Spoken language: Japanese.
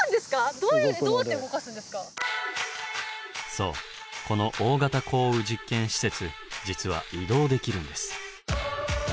そうこの大型降雨実験施設実は移動できるんです。